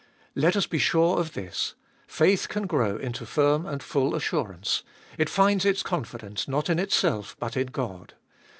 Let us be sure of this : faith can grow into firm and full assurance, it finds its confidence not in itself but in God.